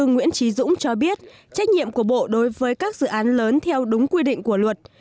nguyễn trí dũng cho biết trách nhiệm của bộ đối với các dự án lớn theo đúng quy định của luật